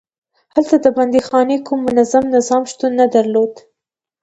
هلته د بندیخانې کوم منظم نظام شتون نه درلود.